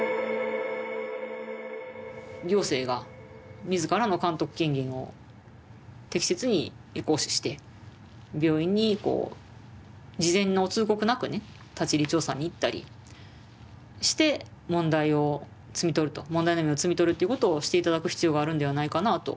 行政が自らの監督権限を適切に行使して病院にこう事前の通告なくね立ち入り調査に行ったりして問題を摘み取ると問題の芽を摘み取るということをして頂く必要があるんではないかなあと。